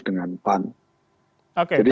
dengan pan jadi